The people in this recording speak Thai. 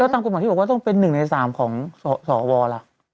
แต่ตามคุณของที่บอกว่าต้องเป็น๑ใน๓ของสอวล่ะ